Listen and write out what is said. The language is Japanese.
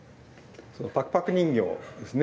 パクパク人形ですね。